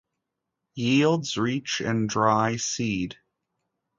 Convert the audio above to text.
Yields reach in dry seed.